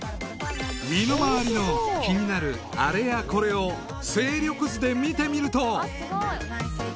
［身の回りの気になるあれやこれを勢力図で見てみると］